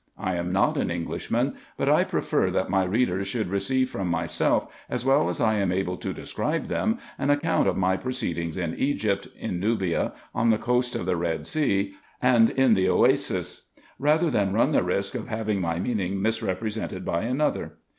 1 am not an Englishman, but I prefer that my readers should receive from myself, as well as I am able to describe them, an account of my proceedings in Egypt, in Nubia, on the coast, of the Red Sea, and in the Oasis ; rather than run the risk of having my meaning misrepresented by another.